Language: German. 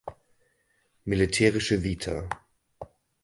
Militärische Vita